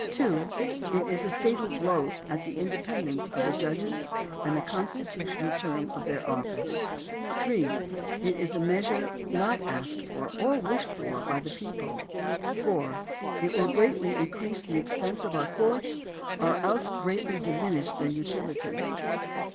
(2) It is a fatal blow at the independence of the judges and the constitutional term of their office. (3) It is a measure not asked for or wished for, by the people. (4) It will greatly in crease the expense of our courts, or else greatly diminish their utility.